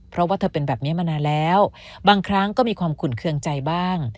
เพราะว่าเธอเป็นแบบนี้มานานแล้วบางครั้งก็มีความขุ่นเครื่องใจบ้าง